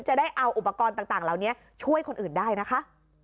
จะได้เอาอุปกรณ์ต่างเหล่านี้ช่วยคนอื่นได้นะคะ